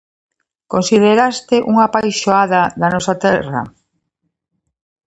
Considéraste unha apaixonada da nosa terra?